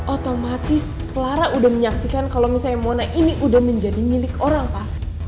otomatis clara udah menyaksikan kalau misalnya mona ini udah menjadi milik orang pak